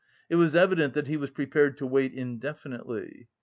It was evident that he was prepared to wait indefinitely.